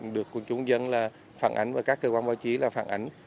được quân chúng dân phản ảnh và các cơ quan báo chí phản ảnh